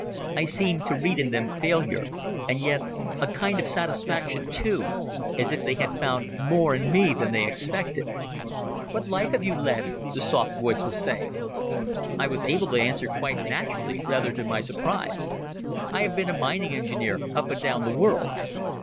I seemed to read in them failure, and yet a kind of satisfaction, too, as if they had found more in me than they expected. "What life have you led?" the soft voice was saying. I was able to answer quite naturally, rather to my surprise. "I have been a mining engineer up and down the world."